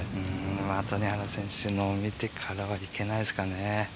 谷原選手のを見てからはいけないですね。